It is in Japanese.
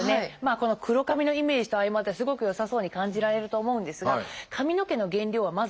この黒髪のイメージと相まってすごく良さそうに感じられると思うんですが髪の毛の原料はまずたんぱく質です。